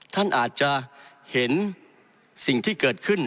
ท่านอาจจะเห็นสิ่งที่เกิดขึ้น